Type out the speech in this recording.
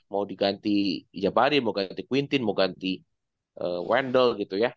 mau diganti jafari mau ganti quintin mau ganti wendel gitu ya